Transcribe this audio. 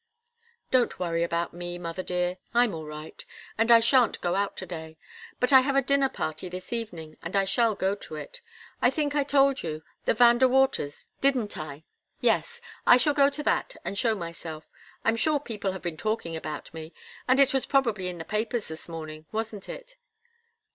"Don't worry about me, mother dear. I'm all right. And I shan't go out to day. But I have a dinner party this evening, and I shall go to it. I think I told you the Van De Waters' didn't I? Yes. I shall go to that and show myself. I'm sure people have been talking about me, and it was probably in the papers this morning. Wasn't it?"